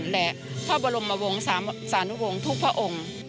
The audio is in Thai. และพระบรมวงศานุวงศ์ทุกพระองค์